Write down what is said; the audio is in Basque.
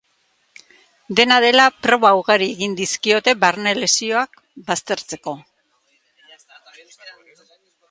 Dena dela, proba ugari egin dizkiote barne lesioak baztertzeko.